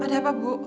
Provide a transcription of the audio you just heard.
ada apa bu